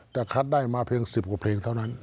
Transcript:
แต่คัดได้มาเพียง๑๐กว่าเพลงเท่านั้น